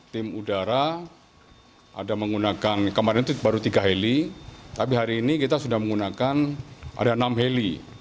tim udara ada menggunakan kemarin itu baru tiga heli tapi hari ini kita sudah menggunakan ada enam heli